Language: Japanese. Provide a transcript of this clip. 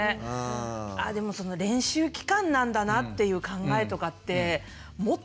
あぁでもその練習期間なんだなっていう考えとかって持ってなかったんで。